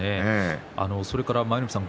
それから舞の海さん